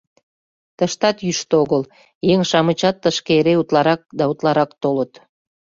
Тыштат йӱштӧ огыл, еҥ-шамычат тышке эре утларак да утларак толыт.